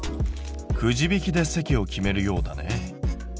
くじ引きで席を決めるようだね。